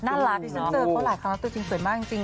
ดิฉันเจอเขาหลายครั้งแล้วตัวจริงสวยมากจริง